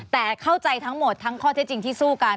แต่เข้าใจทั้งหมดทั้งข้อเท็จจริงที่สู้กัน